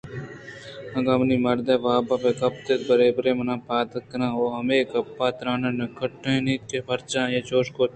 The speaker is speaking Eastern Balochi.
اگاں منی مرد واب بہ کپیت برے برے من پاد کناں ءُہمے گپ ءُ ترٛان نہ کُٹّیت کہ پرچہ آئی چوش کُت